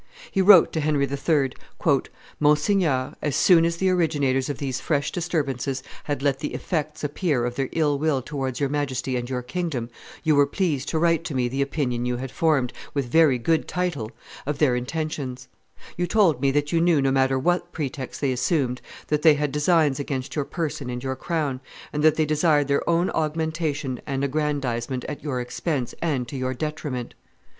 He wrote to Henry III., "Monseigneur, as soon as the originators of these fresh disturbances had let the effects appear of their ill will towards your Majesty and your kingdom, you were pleased to write to me the opinion you had formed, with very good title, of their intentions; you told me that you knew, no matter what pretext they assumed, that they had designs against your person and your crown, and that they desired their own augmentation and aggrandizement at your expense and to your detriment.